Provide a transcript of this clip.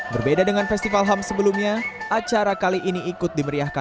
berbeda dengan festival ham sebelumnya acara kali ini ikut dimeriahkan